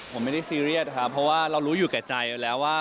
ผมไม่ได้ซีเรียสค่ะเพราะว่าเรารู้อยู่แก่ใจแล้ว